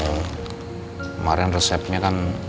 kemaren resepnya kan